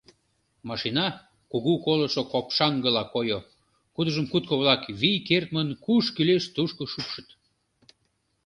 Машина кугу колышо копшаҥгыла койо, кудыжым кутко-влак вий кертмын куш кӱлеш тушко шупшыт.